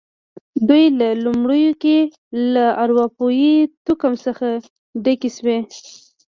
دوی په لومړیو کې له اروپايي توکم څخه ډکې شوې.